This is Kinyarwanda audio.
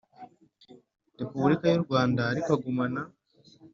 Repubulika y u Rwanda ariko agumana